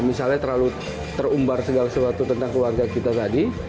misalnya terlalu terumbar segala sesuatu tentang keluarga kita tadi